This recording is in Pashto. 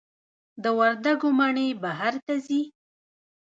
د وردګو مڼې بهر ته ځي؟